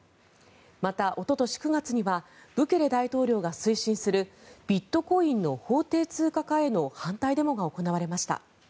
また、おととし９月にはブケレ大統領が推進するビットコインの法定通貨化への反対デモが行われました。